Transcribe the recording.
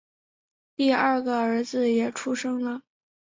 第二个儿子也出生了